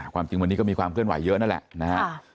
ความจริงวันนี้ก็มีความเคลื่อนไหวเยอะนั่นแหละนะฮะ